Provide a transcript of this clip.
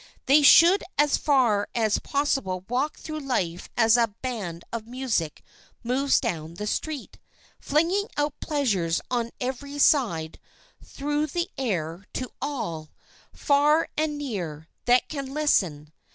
They should as far as possible walk through life as a band of music moves down the street, flinging out pleasures on every side through the air to all, far and near, that can listen.